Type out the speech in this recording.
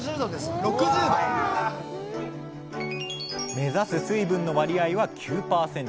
目指す水分の割合は９％。